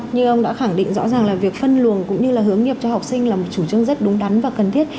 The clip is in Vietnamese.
như ông đã khẳng định rõ ràng là việc phân luồng cũng như là hướng nghiệp cho học sinh là một chủ trương rất đúng đắn và cần thiết